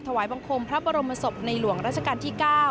ถวายบังคมพระบรมศพในหลวงราชการที่๙